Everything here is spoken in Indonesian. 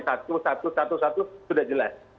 satu satu satu sudah jelas